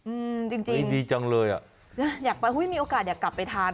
อืมจริงจริงดีจังเลยอ่ะอยากไปอุ้ยมีโอกาสอยากกลับไปทาน